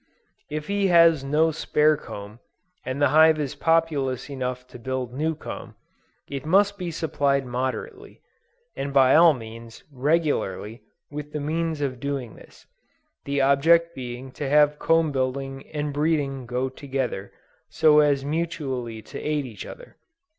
If he has no spare comb, and the hive is populous enough to build new comb, it must be supplied moderately, and by all means, regularly with the means of doing this; the object being to have comb building and breeding go together, so as mutually to aid each other.